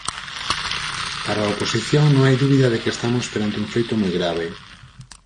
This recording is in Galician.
Para a oposición non hai dúbida de que estamos perante un feito moi grave.